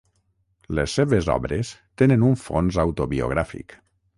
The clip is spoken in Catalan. Les seves obres tenen un fons autobiogràfic.